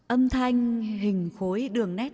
âm thanh hình khối đường nét